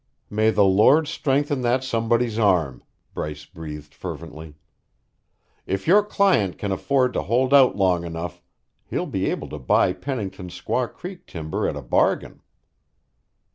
"May the Lord strengthen that somebody's arm," Bryce breathed fervently. "If your client can afford to hold out long enough, he'll be able to buy Pennington's Squaw Creek timber at a bargain."